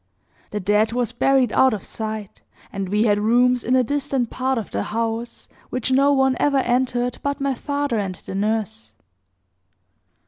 The dead was buried out of sight; and we had rooms in a distant part of the house, which no one ever entered but my father and the nurse.